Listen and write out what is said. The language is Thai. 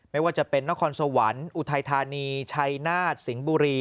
ไม่ว่าจะเป็นนครสวรรค์อุทัยธานีชัยนาฏสิงห์บุรี